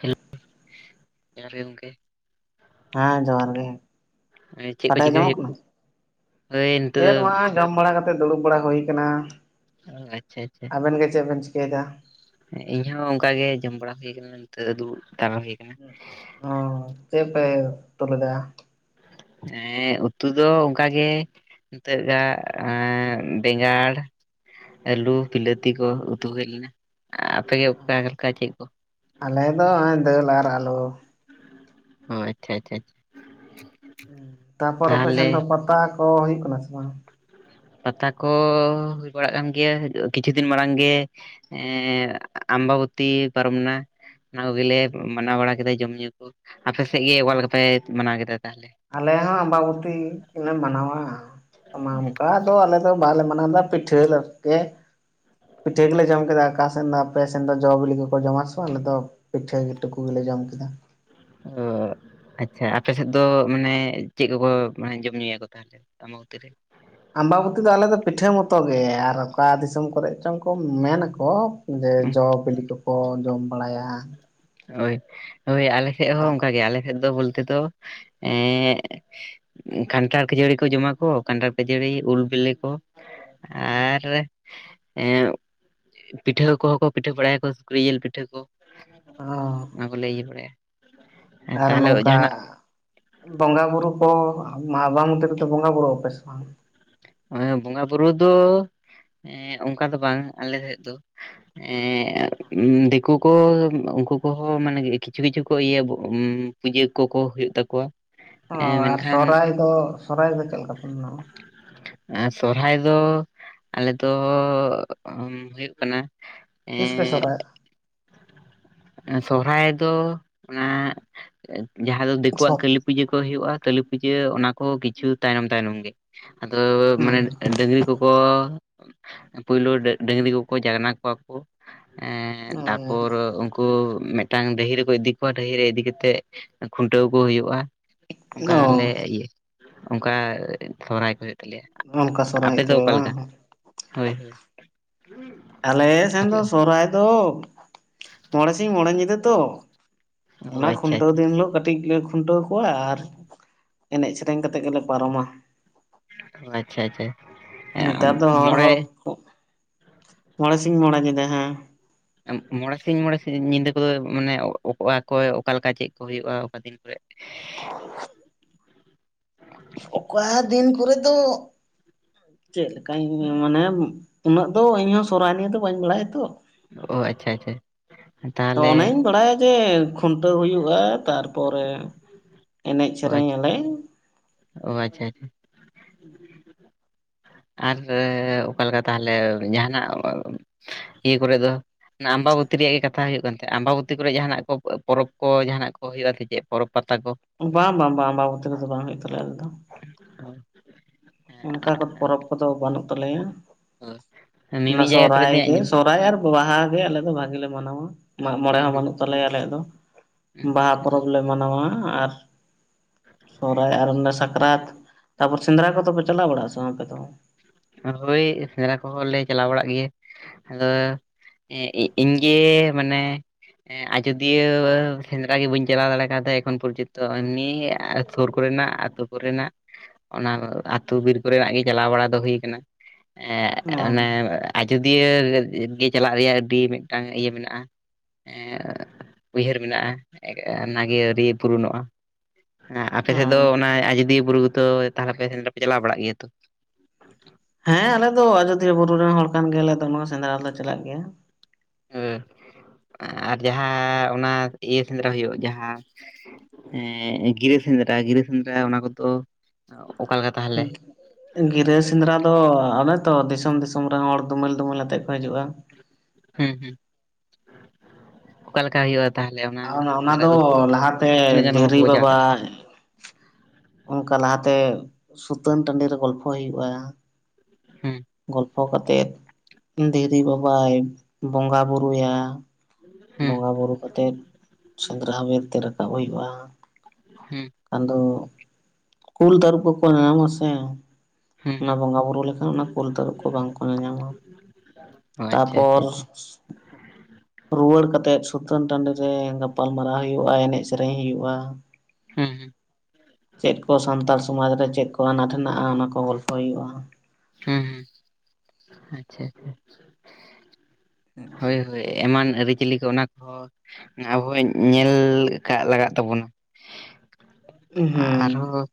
Hello ᱡᱚᱦᱟᱨ ᱜᱮ ᱜᱚᱢᱠᱮ ᱾ ᱦᱮᱸ ᱡᱚᱦᱟᱨ ᱜᱮ, ᱮᱸ ᱪᱮᱫ ᱠᱚ ᱥᱟᱰᱮ ᱪᱤᱠᱟᱹᱭ ᱟᱸᱡᱚᱢᱚᱜ ᱦᱩᱭᱩᱜ ᱠᱟᱱᱟ? ᱳᱭ ᱱᱤᱛᱚᱜ ᱫᱚ ᱪᱮᱫ [inaudible] ᱡᱚᱢ ᱵᱟᱲᱟ ᱠᱟᱛᱮ ᱫᱩᱲᱩᱵ ᱵᱟᱲᱟ ᱦᱩᱭ ᱠᱟᱱᱟ, ᱟᱪᱪᱷᱟ ᱟᱪᱪᱷᱟ ᱟᱵᱮᱱ ᱜᱮ ᱪᱮᱫ ᱵᱮᱱ ᱪᱤᱠᱟᱹᱭᱫᱟ? ᱤᱧᱦᱚᱸ ᱚᱱᱠᱟ ᱜᱮ ᱡᱚᱢ ᱵᱟᱲᱟ ᱦᱩᱭ ᱠᱟᱱᱟ ᱱᱤᱛᱚᱜ ᱫᱩᱲᱩᱵ ᱛᱟᱨᱟ ᱦᱩᱭ ᱠᱟᱱᱟ ᱾ ᱚ ᱪᱮᱜ ᱯᱮ ᱩᱛᱩ ᱞᱮᱫᱟ? ᱮᱸ ᱩᱛᱩ ᱫᱚ ᱚᱱᱠᱟ ᱜᱮ ᱱᱤᱛᱚᱜᱟᱜ ᱮᱸ ᱵᱮᱸᱜᱟᱲ, ᱟᱹᱞᱩ ᱵᱤᱞᱟᱹᱛᱤ ᱠᱚ ᱩᱛᱩ ᱦᱩᱭ ᱞᱮᱱᱟ, ᱟᱯᱮᱜᱮ ᱚᱠᱟ ᱞᱮᱠᱟ ᱪᱮᱜ ᱠᱚ ᱟᱞᱮ ᱫᱚ ᱟᱸᱭ ᱫᱟᱹᱞ ᱟᱨ ᱟᱞᱩ ᱾ ᱚ ᱟᱪᱪᱷᱟ ᱟᱪᱪᱷᱟ ᱟᱪᱷᱟ᱾ ᱛᱟᱯᱚᱨ ᱟᱯᱮ ᱥᱮᱱ ᱫᱚ ᱯᱟᱛᱟ ᱠᱚ ᱦᱩᱭᱩᱜ ᱠᱟᱱᱟ ᱥᱮ ᱵᱟᱝ? ᱯᱟᱛᱟ ᱠᱚ ᱦᱩᱭ ᱵᱟᱲᱟᱜ ᱠᱟᱱ ᱜᱮᱭᱟ ᱠᱤᱪᱷᱩ ᱫᱤᱱ ᱢᱟᱲᱟᱝ ᱜᱮ ᱮᱸ ᱟᱢᱵᱟᱵᱚᱛᱤ ᱯᱟᱨᱚᱢᱱᱟ ᱾ ᱚᱱᱟ ᱠᱚᱜᱮᱞᱮ ᱢᱟᱱᱟᱣ ᱵᱟᱲᱟ ᱠᱮᱫᱟ ᱡᱚᱢ ᱧᱩ ᱠᱚ, ᱟᱯᱮ ᱥᱮᱜ ᱜᱮ ᱚᱠᱟ ᱞᱮᱠᱟ ᱯᱮ ᱢᱟᱱᱟᱣ ᱠᱮᱫᱟ ᱛᱟᱦᱞᱮ? ᱟᱞᱮ ᱦᱚᱸ ᱟᱢᱵᱟᱵᱩᱛᱤ ᱞᱮ ᱢᱟᱱᱟᱣᱟ ᱚᱱᱟ ᱚᱱᱠᱟ ᱫᱚ ᱟᱞᱮ ᱵᱟᱦᱞᱮ ᱢᱟᱱᱟᱣᱫᱟ ᱯᱤᱴᱷᱟᱹ ᱞᱮᱴᱠᱮ ᱯᱤᱴᱷᱟᱹ ᱜᱮᱞᱮ ᱡᱚᱢ ᱠᱮᱫᱟ ᱟᱠᱟ ᱥᱮᱱ ᱫᱚ ᱟᱯᱮᱥᱮᱱ ᱫᱚ ᱡᱚ ᱵᱤᱞᱤ ᱠᱚᱠᱚ ᱡᱚᱢᱟ ᱥᱮ ᱵᱟᱝ ᱟᱞᱮ ᱫᱚ ᱾ ᱯᱤᱴᱷᱟᱹ ᱴᱩᱠᱩ ᱜᱮᱞᱮ ᱡᱚᱢ ᱠᱮᱫᱟ, ᱚ ᱟᱪᱪᱷᱟ ᱟᱯᱮ ᱥᱮᱫ ᱫᱚ ᱢᱟᱱᱮ ᱪᱮᱜ ᱠᱚᱠᱚ ᱢᱟᱱᱮ ᱡᱚᱢ ᱧᱩᱭᱟ ᱠᱚ ᱛᱟᱦᱚᱞᱮ? ᱟᱢᱵᱟᱵᱩᱛᱤ ᱨᱮ? ᱟᱢᱵᱟᱵᱩᱛᱤ ᱫᱚ ᱟᱞᱮ ᱫᱚ ᱯᱤᱴᱷᱟᱹ ᱢᱚᱛᱚ ᱜᱮ ᱟᱨ ᱚᱠᱟ ᱫᱤᱥᱚᱢ ᱠᱚᱨᱮ ᱪᱚᱝ ᱠᱚ ᱢᱮᱱᱟᱠᱚ ᱡᱮ ᱡᱚ ᱵᱤᱞᱤ ᱠᱚᱠᱚ ᱡᱚᱢ ᱵᱟᱲᱟᱭᱟ, ᱦᱳᱭ ᱦᱳᱭ ᱟᱞᱮ ᱥᱮᱜ ᱦᱚᱸ ᱟᱨ ᱚᱝᱠᱟ ᱜᱮ ᱟᱞᱮ ᱥᱮᱫ ᱫᱚ ᱵᱳᱞᱛᱮ ᱛᱚ ᱮᱸ ᱠᱷᱟᱱᱴᱷᱟᱲ ᱠᱷᱟᱹᱡᱟᱹᱲᱤ ᱠᱚ ᱡᱚᱢᱟ ᱠᱚ ᱠᱟᱱᱴᱷᱟᱲ ᱠᱷᱟᱹᱡᱟᱹᱲᱤ ᱩᱞ ᱵᱮᱞᱮ ᱠᱚ, ᱟᱨ ᱮᱸ ᱯᱤᱴᱷᱟᱹ ᱠᱚᱦᱚ ᱠᱚ ᱯᱤᱴᱷᱟᱹ ᱵᱟᱲᱟᱭᱟᱠᱚ ᱥᱩᱠᱨᱤ ᱡᱮᱞ ᱯᱤᱴᱷᱟᱹ ᱠᱚ ᱾ ᱚᱸ ᱚᱱᱟ ᱠᱚᱞᱮ ᱤᱭᱟᱹ ᱵᱟᱲᱟᱭᱟ, ᱟᱨ ᱛᱟᱦᱚᱞᱮ ᱱᱚᱝᱠᱟ ᱡᱟᱦᱟᱱᱟᱜ ᱵᱚᱸᱜᱟ ᱵᱩᱨᱩ ᱠᱚ ᱢᱟ ᱵᱟ [unintelligible] ᱫᱚ ᱵᱚᱸᱜᱟ ᱵᱩᱨᱩᱜ ᱟᱯᱮ ᱥᱮ ᱵᱟᱝ ᱚᱱᱮᱸ ᱵᱚᱸᱜᱟ ᱵᱩᱨᱩ ᱫᱚ ᱮᱸᱫ ᱚᱝᱠᱟ ᱫᱚ ᱵᱟᱝ ᱟᱞᱮ ᱥᱮᱫ ᱫᱚ᱾ ᱮᱸ ᱫᱮᱠᱩ ᱠᱚ ᱠᱚ ᱩᱝᱠᱩ ᱠᱚᱦᱚᱸ ᱢᱟᱱᱮ ᱠᱤᱪᱷᱩ ᱠᱤᱪᱷᱩ ᱠᱚ ᱤᱭᱟᱹ ᱵᱚ ᱩᱢ ᱯᱩᱡᱟᱹ ᱠᱚᱠᱚ ᱦᱳᱭᱳᱜ ᱛᱟᱠᱚᱣᱟ ᱚ ᱮᱸ ᱟᱨ ᱢᱮᱱᱠᱷᱟᱱ ᱥᱚᱦᱨᱟᱭ ᱫᱚ ᱥᱚᱨᱟᱭ ᱫᱚ ᱪᱮᱫ ᱞᱮᱠᱟᱯᱮ ᱢᱟᱱᱟᱣᱟ? ᱮᱸ ᱥᱚᱨᱦᱟᱭ ᱫᱚ ᱟᱞᱮ ᱫᱚ ᱦᱳᱭᱳᱜ ᱠᱟᱱᱟ ᱛᱤᱥ ᱯᱮ ᱥᱚᱦᱨᱟᱭᱚᱜ-ᱟ? ᱮᱸ ᱥᱚᱦᱨᱟᱭ ᱫᱚ ᱚᱱᱟ ᱡᱟᱦᱟᱸ ᱫᱚ ᱫᱮᱠᱳᱣᱟᱜ ᱠᱟᱹᱞᱤ ᱯᱩᱡᱟᱹ ᱠᱚ ᱦᱳᱭᱳᱜᱼᱟ, ᱠᱟᱹᱞᱤ ᱯᱩᱡᱟᱹ ᱚᱱᱟ ᱠᱚ ᱠᱤᱪᱷᱩ ᱛᱟᱭᱱᱚᱢ ᱛᱟᱭᱱᱚᱢ ᱜᱮ ᱟᱫᱚ ᱢᱟᱱᱮ ᱰᱟᱹᱝᱨᱤ ᱠᱚᱠᱚ ᱯᱩᱭᱞᱳᱵᱟᱹ- ᱰᱟᱹᱝᱨᱤ ᱠᱚᱠᱚ ᱡᱟᱜᱱᱟ ᱠᱚᱣᱟ ᱠᱚ᱾ ᱮᱸ ᱛᱟᱯᱚᱨ ᱩᱱᱠᱩ ᱠᱩ ᱢᱤᱫᱴᱟᱝ ᱰᱟᱹᱦᱤ ᱨᱮᱠᱚ ᱤᱫᱤ ᱠᱚᱣᱟ ᱰᱟᱹᱦᱤ ᱨᱮ ᱤᱫᱤ ᱠᱮᱛᱮᱜ ᱠᱷᱩᱱᱴᱟᱹᱣᱠᱩ ᱦᱩᱭᱩᱜᱼᱟ᱾ ᱚ ᱚᱝᱠᱟᱞᱮ ᱤᱭᱟᱹᱜ ᱚᱝᱠᱟ ᱥᱚᱦᱨᱟᱭ ᱠᱚ ᱦᱳᱭᱳᱜ ᱛᱟᱞᱮᱭᱟ᱾ ᱚᱱᱠᱟ ᱥᱚᱦᱨᱟᱭ ᱟᱯᱮ ᱦᱩᱭᱩᱜ ᱫᱚ ᱛᱚᱵᱮ ᱵᱟᱝ ᱚᱠᱟᱞᱮᱠᱟ? ᱦᱳᱭ ᱦᱳᱭ᱾ ᱟᱞᱮ ᱥᱮᱱ ᱟᱯᱮ ᱫᱚ ᱥᱚᱦᱨᱟᱭ ᱫᱚ ᱢᱚᱬᱮ ᱥᱤᱧ ᱢᱚᱬᱮ ᱧᱤᱫᱟᱹ ᱛᱚ᱾ ᱚ ᱚᱱᱟ ᱟᱪᱪᱷᱟ ᱠᱷᱩᱱᱴᱟᱹᱣ ᱫᱤᱱ ᱦᱤᱞᱳᱜ ᱠᱟᱹᱴᱤᱡ ᱞᱮ ᱠᱷᱩᱱᱴᱟᱹᱣ ᱠᱚᱣᱟ ᱟᱨ ᱮᱱᱮᱡ ᱥᱮᱨᱮᱧ ᱠᱟᱛᱮᱜ ᱜᱮᱞᱮ ᱯᱟᱨᱚᱢᱟ᱾ ᱟᱪᱪᱷᱟ ᱟᱪᱪᱷᱟ᱾ ᱱᱮᱛᱟᱨ ᱫᱚ ᱦᱚᱲ ᱢᱚᱬᱮ ᱦᱚᱲ ᱠᱚ, ᱢᱚᱸᱬᱮ ᱥᱤᱧ ᱢᱚᱸᱬᱮ ᱧᱤᱫᱟ ᱦᱮᱸ᱾ ᱢᱚᱸᱬᱮ ᱥᱤᱧ ᱢᱚᱸᱬᱮ ᱥᱤ-ᱥᱤᱧ ᱧᱤᱫᱟᱹ ᱠᱚᱫᱚ ᱢᱟᱱᱮ ᱚᱠ-ᱟ [unintelligible] ᱚᱠᱚᱭ ᱚᱠᱟᱞᱮᱠᱟ ᱪᱮᱫ ᱠᱚ ᱦᱳᱭᱳᱜᱼᱟ, ᱚᱠᱟ ᱫᱤᱱ ᱠᱚᱨᱮᱜ? [inaudible] ᱚᱠᱟ ᱫᱤᱱ ᱠᱚᱨᱮ ᱫᱚ ᱪᱮᱫ ᱞᱮᱠᱟᱧ ᱢᱟᱱᱮ ᱩᱱᱟᱹᱜ ᱫᱚ ᱤᱧ ᱦᱚᱸ ᱥᱚᱨᱦᱟᱭ ᱱᱤᱭᱟᱹ ᱫᱚ ᱵᱟᱹᱧ ᱵᱟᱲᱟᱭᱟᱛᱚ ᱚ ᱟᱪᱪᱷᱟ ᱟᱪᱪᱷᱟ᱾ ᱛᱚ ᱛᱟᱦᱚᱞᱮ ᱚᱱᱮᱧ ᱵᱟᱲᱟᱭᱟ ᱡᱮ ᱠᱷᱩᱱᱴᱟᱹᱣ ᱦᱩᱭᱩᱜᱼᱟ ᱛᱟᱨᱯᱚᱨᱮ ᱮᱱᱮᱡ ᱥᱮᱨᱮᱧ ᱟᱞᱮ᱾ ᱳ ᱟᱪᱪᱷᱟ ᱟᱪᱪᱷᱟ᱾ ᱟᱨ ᱚᱠᱟᱞᱮᱠᱟ ᱛᱟᱦᱞᱮ ᱡᱟᱦᱟᱱᱟᱜ ᱤᱭᱟᱹ ᱠᱚᱨᱮ ᱫᱚ ᱟᱱᱟ ᱟᱢᱵᱟᱵᱩᱛᱤ ᱨᱮᱭᱟᱜ ᱜᱮ ᱠᱟᱛᱷᱟ ᱦᱩᱭᱩᱜ ᱠᱟᱱ ᱛᱟᱦᱮᱜ ᱟᱢᱵᱟᱵᱩᱛᱤ ᱠᱚᱨᱮ ᱡᱟᱦᱟᱱᱟᱜ ᱠᱚ ᱯᱚᱨᱚᱵᱽ ᱠᱚ ᱡᱟᱦᱟᱱᱟᱜ ᱠᱚ ᱦᱳᱭᱳᱜᱼᱟ ᱥᱮ ᱪᱮᱫ ᱯᱚᱨᱚᱵᱽ ᱯᱟᱛᱟ ᱠᱚ᱾ ᱵᱟᱝ ᱵᱟᱝ ᱵᱟᱝ ᱵᱟᱝ ᱟᱢᱵᱟᱵᱩᱛᱤ ᱨᱮ ᱫᱚ ᱵᱟᱝ ᱦᱩᱭᱩᱜ ᱛᱟᱞᱮᱭᱟ ᱟᱞᱮ ᱫᱚ᱾ ᱚ᱾ ᱚᱱᱠᱟ ᱠᱚᱫ ᱯᱚᱨᱚᱵᱽ ᱠᱚᱫᱚ ᱵᱟᱹᱱᱩᱜ ᱛᱟᱞᱮᱭᱟ, ᱚᱱᱟ ᱢᱤᱢᱤᱫ ᱡᱟᱭᱜᱟ ᱠᱚᱨᱮ ᱥᱚᱦᱨᱟᱭ ᱫᱚᱧ ᱜᱮ ᱟᱸᱡᱚᱢ ᱥᱚᱦᱨᱟᱭ ᱟᱨ- ᱵᱟᱦᱟ ᱜᱮ ᱟᱞᱮ ᱫᱚ ᱵᱷᱟᱜᱮ ᱞᱮ ᱢᱟᱱᱟᱣᱟ, ᱢᱟᱜ ᱢᱚᱬᱮ ᱦᱚᱸ ᱦᱩᱸ ᱵᱟᱹᱱᱩᱜ ᱛᱟᱞᱮᱭᱟ ᱟᱞᱮᱭᱟᱜ ᱫᱚ ᱵᱟᱦᱟ ᱯᱚᱨᱚᱵᱽ ᱞᱮ ᱢᱟᱱᱟᱣᱟ ᱟᱨ ᱥᱚᱦᱨᱟᱭ ᱟᱨ ᱚᱱᱮ ᱥᱟᱠᱨᱟᱛ, ᱛᱟᱯᱚᱨ ᱥᱮᱸᱫᱽᱨᱟ ᱠᱚᱫᱚ ᱯᱮ ᱪᱟᱞᱟᱣ ᱵᱟᱲᱟᱜ-ᱟ ᱥᱮ ᱵᱟᱝ ᱟᱯᱮ ᱫᱚ? ᱦᱳᱭ ᱥᱮᱸᱫᱽᱨᱟ ᱠᱚᱦᱚᱸ ᱞᱮ ᱪᱟᱞᱟᱣ ᱵᱟᱲᱟᱜ ᱜᱮᱭᱟ ᱟᱫᱚ ᱮᱸ ᱤ-ᱤᱧ ᱜᱮ ᱢᱟᱱᱮ ᱮᱸ ᱟᱡᱚᱫᱤᱭᱟᱹᱻ ᱥᱮᱸᱫᱽᱨᱟ ᱜᱮ ᱵᱟᱹᱧ ᱪᱟᱞᱟᱣ ᱫᱟᱲᱮ ᱠᱟᱣᱫᱟ ᱮᱠᱷᱚᱱ ᱯᱚᱨᱡᱚᱱᱛᱚ ᱟᱭ ᱱᱤ ᱥᱩᱨ ᱠᱚᱨᱮᱱᱟᱜ ᱛᱩ ᱠᱚᱨᱮᱱᱟᱜ ᱚᱱᱟ ᱟᱛᱩ ᱵᱤᱨ ᱠᱚᱨᱮᱱᱟᱜ ᱜᱮ ᱪᱟᱞᱟᱣ ᱵᱟᱲᱟ ᱫᱚ ᱦᱩᱭ ᱠᱟᱱᱟ ᱮᱜ ᱚᱱᱮ ᱚ ᱟᱡᱚᱫᱤᱭᱟᱹ ᱜᱮ ᱪᱟᱞᱟᱜ ᱪᱟᱞᱟᱜ-ᱟ ᱟᱹᱰᱤ ᱢᱤᱫᱴᱟᱝ ᱤᱭᱟᱹ ᱢᱮᱱᱟᱜ-ᱟ᱾ ᱮᱻ ᱩᱭᱦᱟᱹᱨ ᱢᱟᱱᱟᱜ-ᱟ ᱚᱱᱟᱜᱤ ᱟᱣᱨᱤ ᱯᱩᱨᱩᱱᱚᱜ-ᱟ᱾ ᱦᱮᱸ ᱟᱯᱮ ᱥᱮᱫ ᱫᱚ ᱚ ᱚᱱᱟ ᱟᱡᱚᱫᱤᱭᱟᱹ ᱵᱩᱨᱩ ᱠᱚ ᱛᱚ ᱛᱟᱦᱞᱮ ᱯᱮ ᱥᱮᱸᱫᱽᱨᱟ ᱯᱮ ᱪᱟᱞᱟᱣ ᱵᱟᱲᱟᱜ ᱜᱮᱭᱟ ᱛᱚ? [inaudible] ᱦᱮᱸ ᱟᱞᱮ ᱫᱚ ᱟᱡᱚᱫᱤᱭᱟᱹ ᱵᱩᱨᱩ ᱨᱮᱱ ᱦᱚᱲ ᱠᱟᱱ ᱜᱮᱭᱟᱞᱮ ᱟᱫᱚ ᱱᱚᱣᱟ ᱥᱮᱸᱫᱽᱨᱟ ᱞᱮ ᱪᱟᱞᱟᱜ ᱜᱮᱭᱟ᱾ ᱦᱩᱸ ᱟᱨ ᱡᱟᱦᱟᱸ ᱚᱱᱟ ᱤᱭᱟᱹ ᱥᱮᱸᱫᱽᱨᱟ ᱦᱩᱭᱩᱜ ᱡᱟᱦᱟᱸ ᱮᱻ ᱜᱤᱨᱟᱹ ᱥᱮᱸᱫᱽᱨᱟ ᱜᱤᱨᱟᱹ ᱥᱮᱸᱫᱽᱨᱟ ᱚᱱᱟ ᱠᱚᱫᱚ ᱚᱠᱟ ᱞᱮᱠᱟ ᱛᱟᱦᱚᱞᱮ [unintelligible] ᱜᱤᱨᱟᱹ ᱥᱮᱸᱫᱽᱨᱟ ᱫᱚ ᱚᱱᱮ ᱛᱚ ᱫᱤᱥᱚᱢ ᱫᱤᱥᱚᱢ ᱨᱮᱱ ᱦᱚᱲ ᱫᱩᱢᱟᱹᱞ ᱫᱩᱢᱟᱹᱞ ᱟᱛᱮᱫ ᱠᱚ ᱦᱤᱡᱩᱜ-ᱟ ᱾ ᱦᱩᱸ ᱦᱩᱸ ᱚᱠᱟ ᱞᱮᱠᱟ ᱦᱩᱭᱩᱜ-ᱟ? ᱛᱟᱦᱞᱮ ᱚᱱᱟ ᱚᱱᱟ ᱥᱮᱸᱫᱽᱨᱟ ᱫᱚ ᱞᱟᱦᱟᱛᱮ ᱛᱤᱱᱟᱹᱜ ᱜᱟᱱ ᱦᱚᱲ ᱫᱷᱤᱨᱤ ᱠᱚᱠᱚ ᱡᱟᱣᱨᱟᱜ-ᱟ ᱾ ᱚᱝᱠᱟ ᱞᱟᱦᱟᱛᱮ ᱥᱩᱛᱟᱹᱱ ᱴᱟᱺᱰᱤ ᱨᱮ ᱜᱚᱞᱯᱷᱚ ᱦᱩᱭᱩᱜ-ᱟ ᱦᱩᱸ ᱜᱚᱞ ᱯᱷᱚ ᱠᱟᱛᱮᱫ ᱫᱷᱤᱨᱤ ᱵᱟᱵᱟᱭ ᱵᱚᱸᱜᱟ ᱵᱩᱨᱩᱭᱟ, ᱦᱩᱸ ᱵᱚᱸᱜᱟ ᱵᱩᱨᱩ ᱠᱟᱛᱮᱫ ᱥᱮᱸᱫᱽᱨᱟ ᱵᱮᱨ ᱛᱮ ᱨᱟᱠᱟᱵ ᱦᱩᱭᱩᱜ-ᱟ, ᱦᱩᱸ ᱟᱫᱚ ᱠᱩᱞ ᱛᱟᱨᱩᱯ ᱠᱚᱠᱚ ᱧᱟᱢᱚᱜ-ᱟ ᱥᱮ ᱦᱩᱸ ᱚᱱᱟ ᱦᱩᱸ ᱵᱚᱸᱜᱟ ᱵᱩᱨᱩ ᱞᱮᱠᱷᱟᱱ ᱚᱱᱟ ᱠᱩᱞ ᱛᱟᱨᱩᱵ ᱠᱚ ᱵᱟᱝᱠᱚ ᱧᱟᱧᱟᱢᱟ ᱾ ᱚ ᱟᱪᱪᱷᱟ ᱟᱪᱪᱷᱟ ᱛᱟᱯᱚᱨ ᱟᱪᱪᱷᱟ ᱨᱩᱣᱟᱹᱲ ᱠᱟᱛᱮᱜ ᱥᱩᱛᱟᱹᱱ ᱴᱟᱸᱰᱤ ᱨᱮ ᱜᱟᱯᱟᱞ ᱢᱟᱨᱟᱣ ᱦᱩᱭᱩᱜ-ᱟ ᱮᱱᱮᱡ ᱥᱮᱨᱮᱧ ᱦᱩᱭᱩᱜ-ᱟ ᱾ ᱦᱩᱸ ᱦᱩᱸ ᱾ ᱪᱮᱫ ᱠᱚ ᱥᱟᱱᱛᱟᱲ ᱥᱚᱢᱟᱡᱽ ᱨᱮ ᱪᱮᱫ ᱠᱚ ᱟᱱᱟᱴ ᱦᱮᱱᱟᱜ-ᱟ ᱚᱱᱟ ᱠᱚ ᱜᱚᱞᱯᱷᱚ ᱦᱩᱭᱩᱜ-ᱟ ᱾ ᱦᱩᱸ ᱦᱩᱸ ᱟᱪᱪᱷᱟ ᱟᱪᱪᱷᱟ ᱦᱳᱭ ᱦᱳᱭ ᱾ ᱮᱢᱟᱱ ᱟᱹᱨᱤᱪᱟᱹᱞᱤ ᱠᱚ ᱚᱱᱟ ᱠᱚᱦᱚᱸ ᱟᱵᱚ ᱦᱚᱸ ᱧᱮᱻᱞ ᱠᱟᱜ ᱞᱟᱜᱟᱜ ᱛᱟᱵᱚᱱᱟ ᱾ ᱦᱩᱸ ᱟᱨᱦᱚᱸ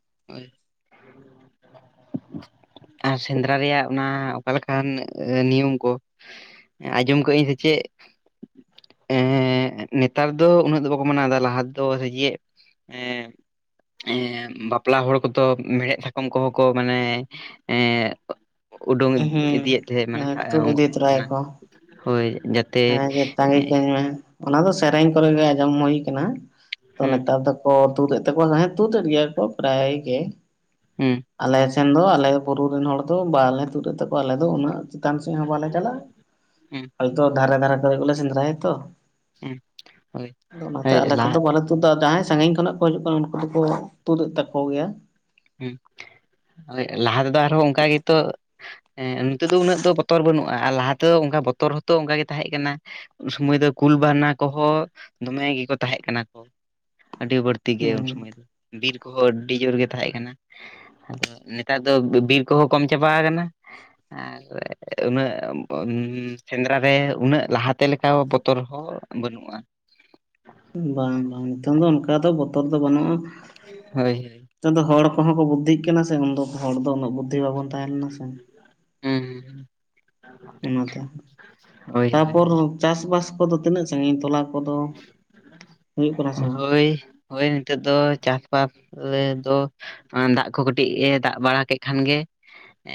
ᱟᱨ ᱥᱮᱸᱫᱽᱨᱟ ᱨᱮᱭᱟᱜ ᱚᱱᱟ ᱚᱠᱟ ᱞᱮᱠᱟᱱ ᱱᱤᱭᱚᱢ ᱠᱚ ᱟᱸᱡᱚᱢ ᱠᱟᱹᱜ ᱟᱹᱧ ᱥᱮ ᱪᱮᱫ ᱮᱻ ᱱᱮᱛᱟᱨ ᱫᱚ ᱩᱱᱟᱹᱜ ᱫᱚ ᱵᱟᱠᱚ ᱢᱟᱱᱟᱣᱫᱟ ᱞᱟᱦᱟ ᱛᱮᱫᱚ ᱥᱮᱡᱮᱜ ᱮᱜᱻ ᱮ ᱵᱟᱯᱞᱟ ᱦᱚᱲ ᱠᱚᱫᱚ ᱢᱮᱲᱦᱮᱫ ᱥᱟᱠᱚᱢ ᱠᱚᱦᱚᱸ ᱠᱚ ᱢᱟᱱᱮ ᱮᱜ ᱩᱰᱩᱝ ᱦᱩᱸ ᱤᱫᱤᱭᱮᱫ ᱛᱟᱦᱮᱸᱜ ᱢᱟᱱᱮ ᱦᱮᱸ ᱛᱩᱫ ᱤᱫᱤ [unintelligible] ᱚᱱᱟ ᱛᱚᱨᱟᱭᱟᱠᱚ ᱦᱳᱭ ᱡᱟ ᱦᱮᱸ ᱡᱮ ᱛᱟᱺᱜᱤ ᱠᱟᱧ ᱢᱮ, ᱚᱱᱟ ᱫᱚ ᱥᱮᱨᱮᱧ ᱠᱚᱨᱮ ᱜᱮ ᱟᱸᱡᱚᱢ ᱦᱩᱭ ᱠᱟᱱᱟ ᱛᱚ ᱦᱩᱸ ᱱᱮᱛᱟᱨ ᱫᱚ ᱠᱚ ᱛᱩᱫ ᱮᱫ ᱛᱟᱠᱚᱣᱟ ᱡᱟᱦᱟᱸᱭ ᱛᱩᱫᱮᱫ ᱜᱮᱭᱟ ᱠᱚ ᱯᱨᱟᱭ ᱜᱮ, ᱟᱞᱮ ᱥᱮᱱ ᱫᱚ ᱟᱞᱮ ᱵᱩᱨᱩ ᱨᱮᱱ ᱦᱚᱲ ᱫᱚ ᱵᱟᱞᱮ ᱛᱩᱫᱮᱫ ᱛᱟᱠᱚᱣᱟ ᱟᱞᱮ ᱫᱚ ᱩᱱᱟᱹᱜ ᱪᱮᱛᱟᱱ ᱥᱮᱫ ᱦᱚᱸ ᱵᱟᱞᱮ ᱪᱟᱞᱟᱜ-ᱟ ᱦᱩᱸ ᱛᱚ ᱫᱷᱟᱨᱮ ᱫᱷᱟᱨᱮ ᱠᱚᱨᱮ ᱜᱮᱞᱮ ᱥᱮᱸᱫᱽᱨᱟᱭᱟ ᱛᱚ ᱦᱩᱸ ᱦᱳᱭ ᱟᱫᱚ ᱚᱱᱟᱛᱮ ᱦᱳᱭ ᱟᱞᱮ ᱞᱟᱦᱟ ᱠᱚᱫᱚ ᱵᱟᱞᱮ ᱛᱩᱫᱟ ᱡᱟᱦᱟᱸᱭ ᱥᱟᱺᱜᱤᱧ ᱠᱷᱚᱱᱟᱜ ᱠᱚ ᱦᱤᱡᱩᱜ ᱠᱟᱱᱟ ᱩᱱᱠᱩ ᱫᱚᱠᱚ ᱛᱩᱫᱮᱫ ᱛᱟᱠᱚ ᱜᱮᱭᱟ, ᱦᱩᱸ ᱦᱳᱭ ᱞᱟᱦᱟ ᱛᱮᱫᱚ ᱟᱨᱦᱚᱸ ᱩᱝᱠᱟ ᱜᱮᱛᱚ ᱮᱸᱜ ᱱᱤᱛᱚᱜ ᱫᱚ ᱩᱱᱟᱹᱜ ᱫᱚ ᱵᱚᱛᱚᱨ ᱫᱚ ᱵᱟᱹᱱᱩᱜ-ᱟ ᱟᱨ ᱞᱟᱦᱟ ᱛᱮᱫᱚ ᱩᱝᱠᱟ ᱵᱚᱛᱚᱨ ᱦᱚᱸᱛᱚ ᱩᱝᱠᱟ ᱜᱮ ᱛᱟᱦᱮᱸᱜ ᱠᱟᱱᱟ, ᱩᱱ ᱥᱩᱢᱟᱹᱭ ᱫᱚ ᱠᱩᱞ ᱵᱟᱱᱟ ᱠᱚᱦᱚ ᱫᱚᱢᱮ ᱜᱮᱠᱚ ᱛᱟᱦᱮᱜ ᱠᱟᱱᱟ ᱠᱚ ᱟᱹᱰᱤ ᱵᱟᱹᱲᱛᱤ ᱛᱤᱜᱮ ᱩᱱ ᱦᱮᱸ ᱥᱚᱢᱚᱭ ᱫᱚ ᱵᱤᱨ ᱠᱚᱦᱚᱸ ᱟᱹᱰᱤ ᱡᱳᱨ ᱜᱮ ᱛᱟᱦᱮᱸᱜ ᱠᱟᱱᱟ, ᱟᱫᱚ ᱱᱮᱛᱟᱨ ᱫᱚ ᱵᱤᱨ ᱠᱚᱦᱚᱸ ᱠᱚᱢ ᱪᱟᱵᱟ ᱠᱟᱱᱟ ᱟᱨ ᱩᱱᱟᱹᱜ ᱢᱢ ᱥᱮᱸᱫᱽᱨᱟ ᱨᱮ ᱩᱱᱟᱹᱜ ᱞᱟᱦᱟᱛᱮ ᱞᱮᱠᱟ ᱵᱚᱛᱚᱨ ᱦᱚᱸ ᱵᱟᱹᱱᱩᱜ-ᱟ ᱾ ᱵᱟᱝ ᱵᱟᱝ ᱱᱤᱛᱚᱝ ᱫᱚ ᱚᱱᱠᱟ ᱫᱚ ᱵᱚᱛᱚᱨ ᱫᱚ ᱵᱟᱹᱱᱩᱜ-ᱟ ᱾ ᱦᱳᱭ ᱦᱳᱭ ᱾ ᱱᱮᱛᱚᱝ ᱫᱚ ᱦᱚᱲ ᱠᱚᱦᱚᱸ ᱠᱚ ᱵᱩᱫᱽᱫᱷᱤᱜ ᱠᱟᱱᱟ ᱥᱮ ᱩᱱᱫᱚ ᱦᱚᱲ ᱫᱚ ᱩᱱᱟᱹᱜ ᱵᱩᱫᱽᱫᱷᱤ ᱵᱟᱵᱚᱱ ᱛᱟᱦᱮᱸ ᱞᱮᱱᱟ ᱥᱮ ᱾ ᱦᱢ ᱦᱢ ᱦᱢ ᱾ ᱚᱱᱟᱛᱮ, ᱦᱳᱭ ᱛᱟᱯᱚᱨ ᱪᱟᱥᱵᱟᱥ ᱠᱚᱫᱚ ᱛᱤᱱᱟᱹᱜ ᱥᱟᱺᱜᱤᱧ ᱛᱚᱞᱟ ᱠᱚᱫᱚ? ᱦᱩᱭᱩᱜ ᱠᱟᱱᱟ ᱥᱮ ᱵᱟᱝ ᱦᱳᱭ ᱦᱳᱭ ᱱᱤᱛᱚᱜ ᱫᱚ ᱪᱟᱥᱵᱟᱥ ᱨᱮ ᱫᱚ ᱫᱟᱜ ᱠᱚ ᱠᱟᱹᱴᱤᱡ ᱮ ᱫᱟᱜ ᱵᱟᱲᱟ ᱠᱮᱫ ᱠᱷᱟᱱ ᱜᱮ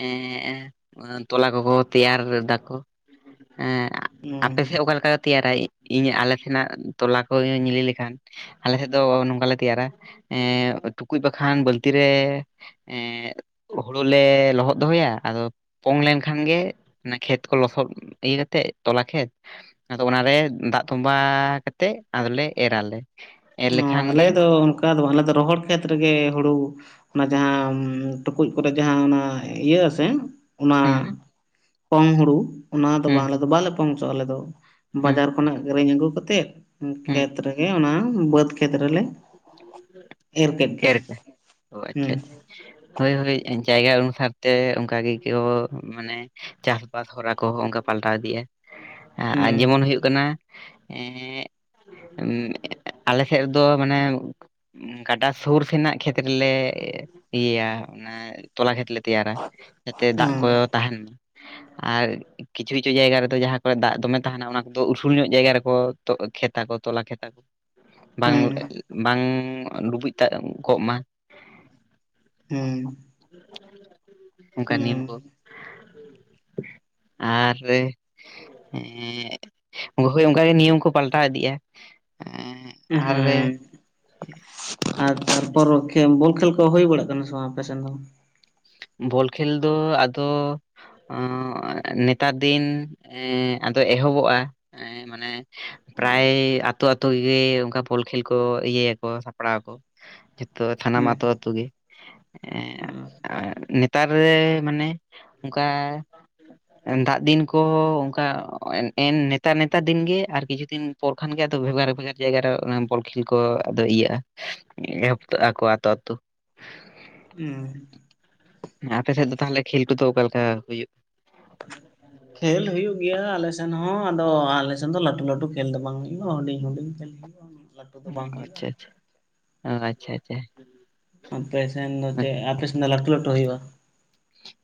ᱮᱸ ᱛᱚᱞᱟ ᱠᱚᱠᱚ ᱛᱮᱭᱟᱨ ᱫᱟᱠᱚ ᱮᱸ ᱦᱮᱸ ᱟᱯᱮᱥᱮᱫ ᱚᱠᱟᱞᱮᱠᱟ ᱠᱚ ᱛᱮᱭᱟᱨᱟ ᱤᱧ ᱟᱞᱮ ᱥᱮᱱᱟᱜ ᱛᱚᱞᱟ ᱠᱚ [unintelligible] ᱞᱮᱠᱷᱟᱱ? ᱟᱞᱮ ᱥᱮᱫ ᱫᱚ ᱱᱚᱝᱠᱟᱞᱮ ᱛᱮᱭᱟᱨᱟ ᱮ ᱴᱩᱠᱩᱡ ᱵᱟᱠᱷᱟᱱ ᱵᱟᱹᱞᱛᱤ ᱨᱮ ᱮᱸ ᱦᱩᱲᱩ ᱞᱮ ᱞᱚᱦᱚᱫ ᱫᱚᱦᱚᱭᱟ ᱟᱫᱚ ᱯᱚᱝ ᱞᱮᱱᱠᱷᱟᱱ ᱜᱮ ᱚᱱᱟ ᱠᱷᱮᱛ ᱠᱚ ᱞᱚᱥᱚᱫ ᱤᱭᱟᱹ ᱠᱟᱛᱮᱫ ᱛᱚᱞᱟ ᱠᱷᱮᱛ ᱟᱫᱚ ᱚᱱᱟᱨᱮ ᱫᱟᱜ ᱛᱚᱸᱵᱟ ᱠᱟᱛᱮᱜ ᱟᱫᱚᱞᱮ ᱮᱨ ᱟᱞᱮ᱾ ᱚ ᱟᱞᱮ ᱫᱚ ᱚᱱᱠᱟ ᱫᱚ ᱵᱟ ᱟᱞᱮ ᱫᱚ ᱨᱚᱦᱚᱲ ᱠᱷᱮᱛ ᱨᱮᱜᱮ ᱦᱩᱲᱩ ᱚᱱᱟ ᱡᱟᱦᱟᱸ ᱴᱩᱠᱩᱡ ᱠᱚᱨᱮᱜ ᱡᱟᱦᱟᱸ ᱚᱱᱟ ᱤᱭᱟ ᱟᱥᱮ ᱚᱱᱟ ᱦᱩᱸ ᱯᱚᱝ ᱦᱩᱲᱩ ᱚᱱᱟ ᱫᱚ ᱦᱩᱸ ᱵᱟᱝ ᱟᱞᱮ ᱫᱚ ᱵᱟᱞᱮ ᱯᱚᱝ ᱦᱚᱪᱚ ᱟᱞᱮ ᱫᱚ ᱦᱩᱸ ᱵᱟᱡᱟᱨ ᱠᱷᱚᱱᱟᱜ ᱠᱤᱨᱤᱧ ᱟᱹᱜᱩ ᱠᱟᱛᱮᱜ ᱦᱩᱸ ᱠᱷᱮᱛ ᱨᱮᱜᱮ ᱚᱱᱟ ᱵᱟᱹᱫᱽ ᱠᱷᱮᱛ ᱨᱮᱞᱮ ᱮᱨ ᱠᱮᱫ ᱜᱮ ᱚ ᱟᱪᱪᱷᱟ ᱦᱮᱸ᱾ ᱟᱪᱪᱷᱟ ᱦᱳᱭ ᱦᱳᱭ ᱡᱟᱭᱜᱟ ᱚᱱᱩᱥᱟᱨ ᱛᱮ ᱚᱱᱠᱟ ᱜᱮᱠᱚ ᱢᱟᱱᱮ ᱪᱟᱥᱵᱟᱥ ᱦᱚᱨᱟ ᱠᱚᱦᱚᱸ ᱚᱱᱠᱟ ᱯᱟᱞᱴᱟᱣ ᱤᱫᱤᱜᱼᱟ ᱟᱨ ᱦᱩᱸ ᱡᱮᱢᱚᱱ ᱦᱩᱭᱩᱜ ᱠᱟᱱᱟ ᱮᱸ ᱟᱞᱮ ᱥᱮᱫ ᱫᱚ ᱢᱟᱱᱮ ᱜᱟᱰᱟ ᱥᱳᱨ ᱥᱮᱱᱟᱜ ᱠᱷᱮᱛᱨᱮᱞᱮ ᱤᱭᱟᱹᱭᱟ ᱚᱱᱟ ᱛᱚᱞᱟ ᱠᱷᱮᱛ ᱞᱮ ᱛᱮᱭᱟᱨᱟ ᱡᱟᱛᱮ ᱫᱟᱜ ᱦᱩᱸ ᱠᱚ ᱛᱟᱦᱮᱱ ᱟᱨ ᱠᱤᱪᱷᱩ ᱠᱤᱪᱷᱩ ᱡᱟᱭᱜᱟ ᱨᱮᱫᱚ ᱡᱟᱦᱟᱸ ᱠᱚᱨᱮ ᱫᱟᱜ ᱫᱚᱢᱮ ᱛᱟᱦᱮᱱᱟ ᱚᱱᱟ ᱠᱚᱫᱚ ᱩᱥᱩᱞ ᱧᱚᱜ ᱡᱟᱭᱜᱟ ᱨᱮᱠᱚ ᱠᱷᱮᱛᱛᱟ ᱠᱚ ᱛᱚᱞᱟ ᱠᱷᱮᱛᱟ ᱠᱚ᱾ ᱵᱟᱝ ᱵᱟᱝ ᱰᱩᱵᱩᱡ ᱛᱟᱜ ᱠᱚᱜ ᱢᱟ᱾ ᱦᱩ᱾ ᱚᱱᱠᱟ ᱱᱤᱢ ᱠᱚ᱾ ᱟᱨᱼᱮ ᱦᱳᱭ ᱚᱱᱠᱟᱜᱮ ᱱᱤᱭᱚᱢ ᱠᱚ ᱯᱟᱞᱴᱟᱣ ᱤᱫᱤᱜᱼᱟ᱾ ᱟᱨᱼᱮ ᱦᱮᱸ ᱟᱨ ᱛᱟᱨᱯᱚᱨ ᱵᱚᱞ ᱠᱷᱮᱞ ᱠᱚ ᱦᱩᱭ ᱵᱟᱲᱟᱜ ᱠᱟᱱᱟ ᱥᱮ ᱵᱟᱝ ᱟᱯᱮ ᱥᱮᱫ ᱫᱚ? ᱵᱚᱞ ᱠᱷᱮᱞ ᱫᱚ ᱟᱫᱚ ᱱᱮᱛᱟᱨ ᱫᱤᱱ ᱮ ᱟᱫᱚ ᱮᱦᱚᱵᱚᱜᱼᱟ᱾ ᱮ ᱢᱟᱱᱮ ᱯᱨᱟᱭ ᱟᱛᱳ ᱟᱛᱳ ᱜᱮ ᱚᱱᱠᱟ ᱵᱚᱞ ᱠᱷᱮᱞ ᱠᱚ ᱤᱭᱟᱹᱭᱟᱠᱚ ᱥᱟᱯᱲᱟᱣ ᱟᱠᱚ᱾ ᱡᱷᱚᱛᱚ ᱛᱷᱟᱱᱟᱢ ᱦᱩᱸ ᱟᱹᱛᱳ ᱟᱛᱳ ᱜᱮ᱾ ᱦᱩᱸ ᱱᱮᱛᱟᱨ ᱨᱮ ᱢᱟᱱᱮ ᱚᱱᱠᱟ ᱫᱟᱜ ᱫᱤᱱ ᱠᱚ ᱚᱱᱠᱟ ᱱᱮᱛᱟᱨ ᱱᱮᱛᱟᱨ ᱫᱤᱱ ᱜᱮ ᱟᱨ ᱠᱤᱪᱷᱩ ᱫᱤᱱ᱾ ᱯᱚᱨ ᱠᱷᱟᱱᱜᱮ ᱟᱫᱚ ᱵᱷᱮᱜᱟᱨ ᱵᱷᱮᱜᱟᱨ ᱡᱟᱭᱜᱟᱟᱨᱮ ᱵᱚᱞ ᱠᱷᱮᱞ ᱠᱚ ᱟᱫᱚ ᱤᱭᱟᱹᱜᱼᱟ᱾ [unintelligible] ᱟᱠᱚ ᱟᱹᱛᱩ ᱟᱹᱛᱩ ᱾ ᱦᱩ᱾ ᱟᱯᱮᱥᱮᱫ ᱫᱚ ᱛᱟᱦᱚᱞᱮ ᱠᱷᱮᱞ ᱠᱚᱫᱚ ᱚᱠᱟ ᱞᱮᱠᱟ ᱦᱩᱭᱩᱜ ᱠᱷᱮᱞ ᱦᱩᱭᱩᱜ ᱜᱮᱭᱟ ᱟᱞᱮ ᱥᱮᱱ ᱦᱚᱸ ᱟᱫᱚ ᱟᱞᱮᱥᱮᱫ ᱫᱚ ᱞᱟᱹᱴᱩ ᱞᱟᱹᱴᱩ ᱠᱷᱮᱞ ᱫᱚ ᱵᱟᱝ ᱦᱩᱭᱩᱜᱼᱟ ᱦᱩᱰᱤᱧ ᱦᱩᱰᱤᱧ ᱠᱷᱮᱞ ᱜᱮ ᱾ [inaudible] ᱟᱪᱪᱷᱟ ᱟᱪᱪᱷᱟ ᱟᱪᱪᱷᱟ ᱟᱪᱪᱷᱟ᱾ ᱟᱯᱮ ᱥᱮᱱ ᱫᱚ ᱪᱮᱫ ᱟᱯᱮᱥᱮᱱ ᱫᱚ ᱞᱟᱹᱴᱩ ᱞᱟᱹᱴᱩ ᱦᱩᱭᱩᱜᱼᱟ?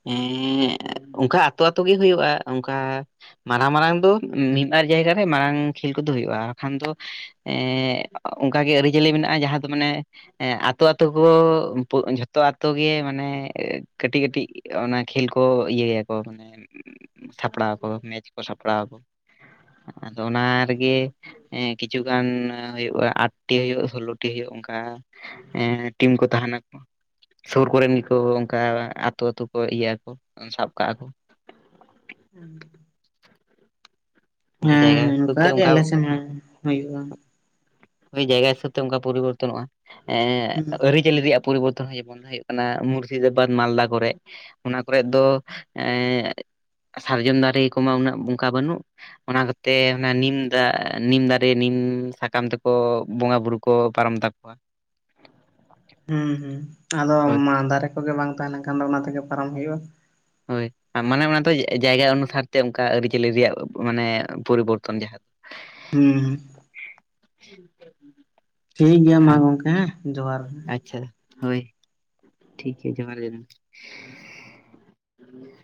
ᱮᱸ ᱚᱱᱠᱟ ᱟᱛᱳ ᱟᱛᱳ ᱜᱮ ᱦᱩᱭᱩᱜᱼᱟ ᱚᱱᱠᱟ ᱢᱟᱨᱟᱝ ᱢᱟᱨᱟᱝ ᱫᱚ ᱢᱤᱫ ᱵᱟᱨ ᱡᱟᱭᱜᱟ ᱨᱮ ᱢᱟᱨᱟᱝ ᱠᱷᱮᱞ ᱠᱚᱫᱚ ᱦᱩᱭᱩᱜᱼᱟ ᱵᱟᱠᱷᱟᱱ ᱫᱚ ᱮ ᱚᱱᱠᱟᱜᱮ ᱟᱹᱨᱤᱪᱟᱹᱞᱤ ᱢᱮᱱᱟᱜᱼᱟ ᱡᱟᱦᱟᱸ ᱫᱚ ᱢᱟᱱᱮ ᱟᱛᱳ ᱟᱛᱳ ᱠᱚ ᱡᱷᱚᱛᱚ ᱟᱛᱳ ᱜᱮ ᱢᱟᱱᱮ ᱠᱟᱹᱴᱤᱡ ᱠᱟᱹᱴᱤᱡ ᱚᱱᱟ ᱠᱷᱮᱞ ᱠᱚ ᱤᱭᱟᱹ ᱭᱟᱠᱚ ᱢᱟᱱᱮ ᱥᱟᱯᱲᱟᱣ ᱟᱠᱚ ᱢᱮᱪ ᱠᱚ ᱥᱟᱯᱲᱟᱣ ᱟᱠᱚ᱾ ᱟᱫᱚ ᱚᱱᱟ ᱨᱮᱜᱮ ᱦᱮᱸ ᱠᱤᱪᱷᱩᱜᱟᱱ ᱦᱩᱭᱩᱜᱼᱟ ᱟᱴᱴᱤ ᱦᱩᱭᱩᱜ ᱥᱳᱞᱞᱳ ᱴᱤ ᱦᱩᱭᱩᱜ ᱚᱱᱠᱟ ᱴᱤᱢ ᱠᱚ ᱛᱟᱦᱮᱱᱟᱠᱚ ᱥᱩᱨ ᱠᱚᱨᱮᱱ ᱜᱮᱠᱚ ᱚᱱᱠᱟ ᱟᱛᱩ ᱟᱛᱩ ᱠᱚ ᱤᱭᱟᱹ ᱠᱚ ᱥᱟᱵ ᱠᱟᱜᱼᱟ ᱠᱚ᱾ [inaudible] ᱚᱱᱠᱟ ᱦᱮᱸ ᱡᱟᱭᱜᱟ ᱦᱮᱸ ᱦᱤᱥᱟᱹᱵ ᱛᱮ ᱱᱚᱝᱠᱟᱜ ᱜᱮ ᱚᱱᱠᱟ ᱟᱞᱮ ᱥᱮᱱ ᱦᱚᱸ ᱦᱩᱭᱩᱜᱼᱟ ᱡᱟᱭᱜᱟ ᱦᱤᱥᱟᱹᱵ ᱛᱮ ᱚᱱᱠᱟ ᱯᱚᱨᱤ ᱵᱚᱨᱛᱚᱱᱚᱜᱼᱟ ᱮ ᱦᱩᱸ [unintelligible] ᱠᱷᱮᱞ ᱨᱮᱭᱟᱜ ᱯᱚᱨᱤᱵᱚᱨᱛᱚᱱ ᱦᱩᱭᱩᱜ ᱠᱟᱱᱟ ᱢᱩᱨᱥᱤᱫᱟᱵᱟᱫᱽ ᱢᱟᱞᱫᱟ ᱠᱚᱨᱮ ᱚᱱᱟ ᱠᱚᱨᱮᱫ ᱫᱚ ᱮ ᱥᱟᱨᱡᱚᱢ ᱫᱟᱨᱮ ᱠᱚᱢᱟ ᱩᱱᱟᱹᱜ ᱚᱝᱠᱟ ᱵᱟᱹᱱᱩᱜ ᱚᱱᱟ ᱠᱚᱛᱮ ᱚᱱᱟ ᱱᱤᱢ ᱫᱟ ᱱᱤᱢ ᱫᱟᱨᱮ ᱱᱤᱢ ᱥᱟᱠᱟᱢ ᱛᱮᱠᱚ ᱠᱚ ᱵᱚᱸᱜᱟ ᱵᱳᱩᱨᱩ ᱠᱚ ᱯᱟᱨᱚᱢ ᱛᱟᱠᱚᱣᱟ ᱦᱩᱸ ᱦᱩᱸ ᱟᱫᱚ ᱦᱳᱭ ᱢᱟᱫ ᱫᱟᱨᱮ ᱠᱚᱜᱮ ᱵᱟᱝ ᱛᱟᱦᱮᱸ ᱞᱮᱱ ᱠᱷᱟᱱ ᱫᱚ ᱚᱱᱟ ᱛᱮᱜᱮ ᱯᱟᱨᱚᱢ ᱦᱩᱭᱩᱜᱼᱟ ᱦᱳᱭ ᱢᱟᱱᱮ ᱚᱱᱟ ᱫᱚ ᱡᱟᱭᱜᱟ ᱚᱱᱩᱥᱟᱨ ᱛᱮ ᱚᱱᱠᱟ ᱟᱹᱨᱤᱪᱟᱹᱞᱤ ᱨᱮᱭᱟᱜ ᱢᱟᱱᱮ ᱯᱚᱨᱤᱵᱚᱨᱛᱚᱱ ᱡᱟᱦᱟᱸ ᱫᱚ ᱦᱩᱸ [inaudible] ᱴᱷᱤᱠ ᱜᱮᱭᱟ ᱢᱟ ᱟᱨ ᱜᱚᱝᱠᱮ ᱦᱮᱸ ᱡᱚᱦᱟᱨ ᱜᱮ ᱟᱪᱪᱷᱟ ᱦᱳᱭ ᱴᱷᱤᱠ ᱜᱮᱭᱟ ᱡᱚᱦᱟᱨ ᱜᱮ